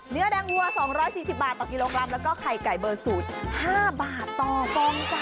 เนื้อแดงหัวสองร้อยสี่สิบบาทต่อกิโลกรัมแล้วก็ไข่ไก่เบอร์สูตรห้าบาทต่อกองค่ะ